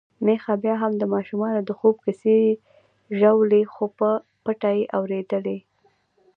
میښه بيا هم د ماشومانو د خوب کیسې ژولي، خو په پټه يې اوريدلې.